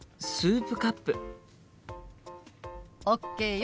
ＯＫよ。